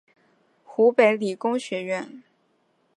湖北理工学院